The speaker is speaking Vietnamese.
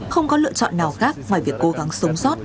không có lựa chọn nào khác ngoài việc cố gắng sống sót